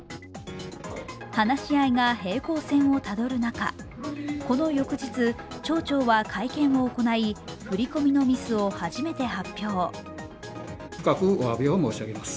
話し合いが平行線をたどる中、この翌日、町長は会見を行い振り込みのミスを初めて発表。